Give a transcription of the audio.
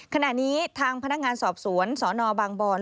ขณะนี้ทางพนักงานสอบสวนสนบางบอน